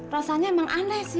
rasanya emang aneh sih